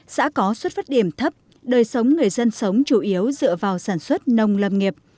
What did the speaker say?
xã có xuất phát điểm thấp đời sống người dân sống chủ yếu dựa vào sản xuất nông lâm nghiệp